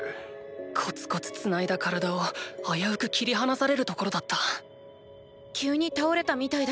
コツコツ繋いだ体を危うく切り離されるところだった急に倒れたみたいだけど。